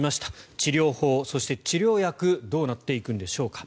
治療法、そして治療薬どうなっていくんでしょうか。